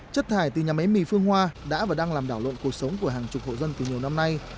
chất thải từ nhà máy mì phương hoa đã và đang làm đảo lộn cuộc sống của hàng chục hộ dân từ nhiều năm nay